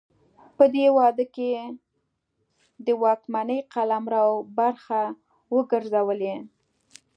په دې واده کې د واکمنۍ قلمرو برخه وګرځولې.